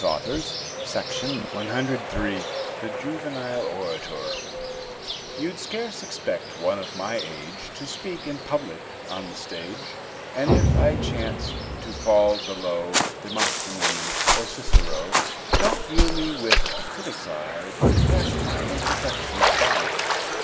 FELICIA DOROTHEA HEMANS THE JUVENILE ORATOR You'd scarce expect one of my age To speak in public, on the stage; And if I chance to fall below Demosthenes or Cicero, Don't view me with a critic's eye, But pass my imperfections by.